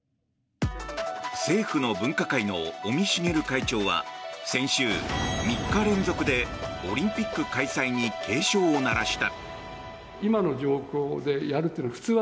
政府の分科会の尾身茂会長は先週、３日連続でオリンピック開催に警鐘を鳴らした。